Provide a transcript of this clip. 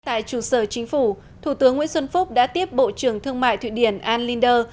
tại chủ sở chính phủ thủ tướng nguyễn xuân phúc đã tiếp bộ trưởng thương mại thụy điển an linder